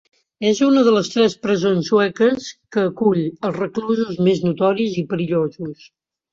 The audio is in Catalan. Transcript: És una de les tres presons sueques que acull els reclusos més notoris i perillosos.